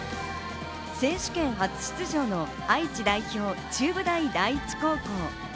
選手権初出場の愛知代表・中部大第一高校。